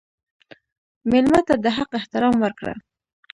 مېلمه ته د حق احترام ورکړه.